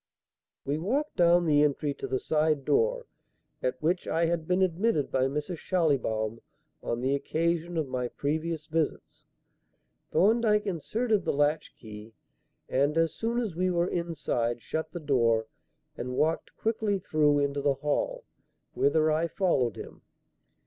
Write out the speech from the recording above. We walked down the entry to the side door at which I had been admitted by Mrs. Schallibaum on the occasion of my previous visits. Thorndyke inserted the latch key, and, as soon as we were inside, shut the door and walked quickly through into the hall, whither I followed him.